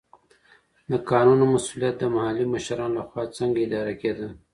د کانونو مسوولیت د محلي مشرانو له خوا څنګه اداره کيده؟